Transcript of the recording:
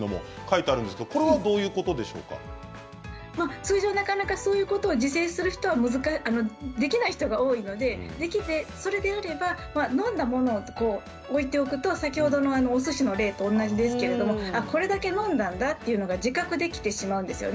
通常そういうことができない人が多いのでそれであれば飲んだものを置いておくとおすしの例と同じなんですけどこれだけ飲んだんだというのが自覚できてしまうんですね。